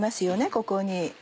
ここに。